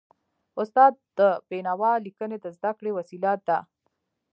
استاد د بينوا ليکني د زده کړي وسیله ده.